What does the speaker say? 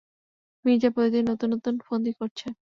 মির্জা প্রতিদিন নতুন, নতুন ফন্দি করছে।